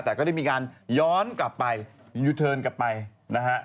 แต่ก็ได้มีการย้อนกลับไปยูเทิร์นกลับไปนะฮะ